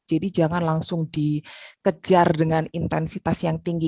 jadi jangan langsung dikejar dengan intensitas yang tinggi